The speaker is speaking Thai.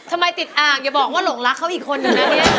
ทำไมติดอ่างอย่าบอกว่าหลงรักเขาอีกคนนึงนะเนี่ย